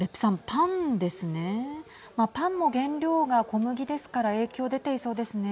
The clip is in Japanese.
パンも原料が小麦ですから影響、出ていそうですね。